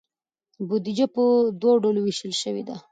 بودیجه په دوه ډوله ویشل شوې ده.